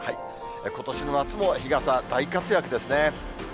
ことしの夏も日傘、大活躍ですね。